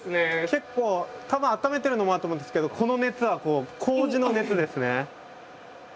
結構たぶんあっためてるのもあると思うんですけどこの熱はこうじの熱ですね。